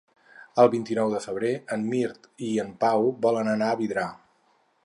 El vint-i-nou de febrer en Mirt i en Pau volen anar a Vidrà.